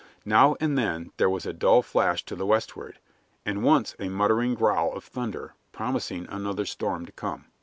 Now and then there was a dull flash to the westward, and once a muttering growl of thunder, promising another storm to come.